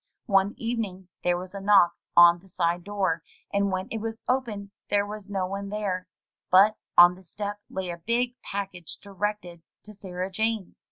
One evening there was a knock on the side door, and when it was opened there was no one there, but on the step lay a big package directed to Sarah Jane.